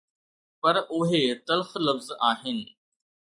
پر اهي تلخ لفظ آهن.